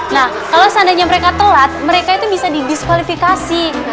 nah kalau seandainya mereka telat mereka itu bisa didiskualifikasi